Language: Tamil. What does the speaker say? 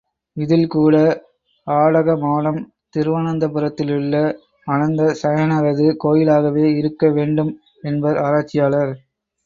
இதில் கூட, ஆடகமாடம் திருவனந்தபுரத்திலுள்ள அனந்த சயனரது கோயிலாகவே இருக்க வேண்டும் என்பர் ஆராய்ச்சியாளர்.